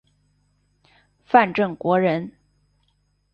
范正国人。